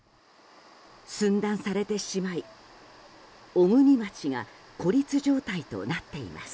寸断されてしまい、小国町が孤立状態となっています。